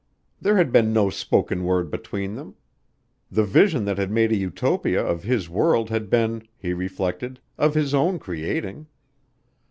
There had been no spoken word between them. The vision that had made a Utopia of his world had been, he reflected, of his own creating.